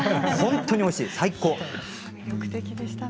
本当においしい、最高！